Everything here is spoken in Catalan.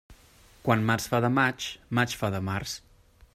Quan març fa de maig, maig fa de març.